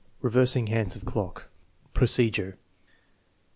Reversing hands of clock Procedure.